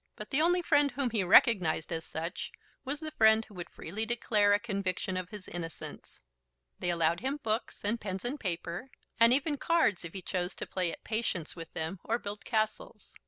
But the only friend whom he recognised as such was the friend who would freely declare a conviction of his innocence. They allowed him books and pens and paper, and even cards, if he chose to play at Patience with them or build castles.